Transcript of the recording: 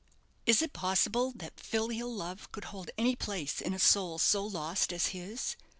Is it possible that filial love could hold any place in a soul so lost as his?